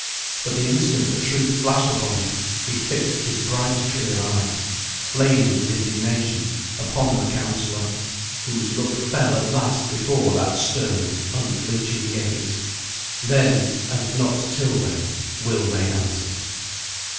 But the instant the truth flashed upon him, he fixed his bright clear eyes, flaming with indignation, upon the counsellor, whose look fell at last before that stern unflinching gaze. Then, and not till then, Will made answer.